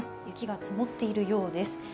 雪が積もっているようです。